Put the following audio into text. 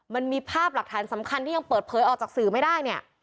มันมีภาพหลักฐานสำคัญที่ยังเปิดเผยออกจากสื่อไม่ได้เนี่ย